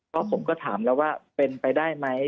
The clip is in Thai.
เพราะผมก็ถามแล้วว่าเป็นไปได้ไหม